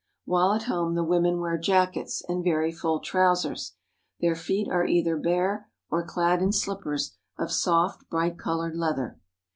While at home the women wear jackets, and very full trousers. Their feet are either bare, or clad in slippers of soft bright colored leather.